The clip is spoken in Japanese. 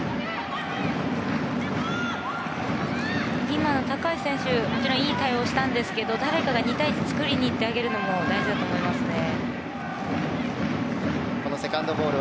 今、高橋選手いい対応したんですけど誰かが２対１を作りにいってあげるのも大事だと思いますね。